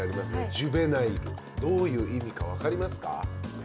ジュベナイルどういう意味か分かりますか？